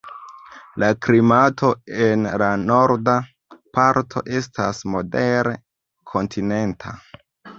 La klimato en la norda parto estas modere kontinenta.